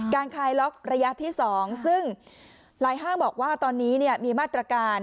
คลายล็อกระยะที่๒ซึ่งหลายห้างบอกว่าตอนนี้มีมาตรการ